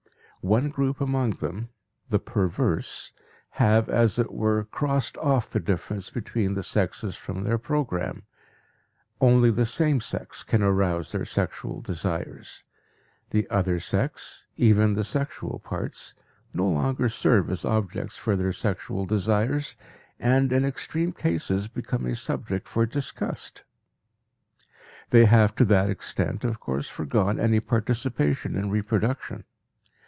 One group among them, the "perverse," have, as it were, crossed off the difference between the sexes from their program. Only the same sex can arouse their sexual desires; the other sex, even the sexual parts, no longer serve as objects for their sexual desires, and in extreme cases, become a subject for disgust. They have to that extent, of course, foregone any participation in reproduction.